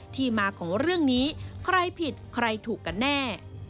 ที่มาของเรื่องนี้ใครผิดใครถูกกันแน่